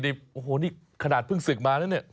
นี่โอ้โหนี่ขนาดเพิ่งศึกมาแล้วเนี่ย